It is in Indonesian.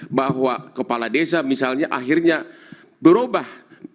anda tahu gak bahwa kepala desa misalnya akhirnya berubah